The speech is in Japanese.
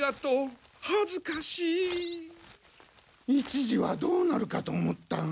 一時はどうなるかと思った。